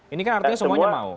ini kan artinya semuanya mau